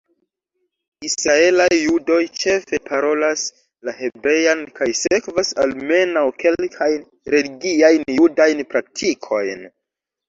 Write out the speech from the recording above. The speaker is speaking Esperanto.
Israelaj judoj ĉefe parolas la hebrean kaj sekvas almenaŭ kelkajn religiajn judajn praktikojn.